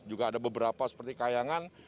juga ada beberapa seperti kayangan